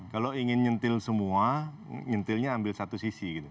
kalau ingin nyentil semua nyentilnya ambil satu sisi gitu